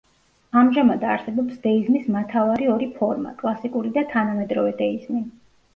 ამჟამად არსებობს დეიზმის მათავარი ორი ფორმა: კლასიკური და თანამედროვე დეიზმი.